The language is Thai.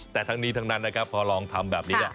แต่ทั้งนี้ทั้งนั้นนะครับพอลองทำแบบนี้